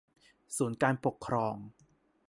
ศูนย์การปกครอง